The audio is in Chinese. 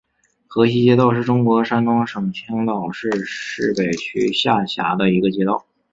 河西街道是中国山东省青岛市市北区下辖的一个街道。